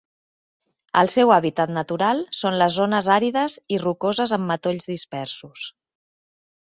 El seu hàbitat natural són les zones àrides i rocoses amb matolls dispersos.